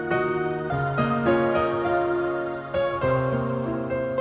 aku sudah banyak yang ingin tahu